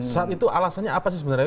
saat itu alasannya apa sih sebenarnya